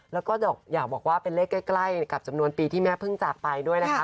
เลขใกล้กับจำนวนปีที่แม่เพิ่งจับไปด้วยนะคะ